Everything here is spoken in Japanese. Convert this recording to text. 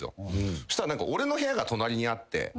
そしたら俺の部屋が隣にあって。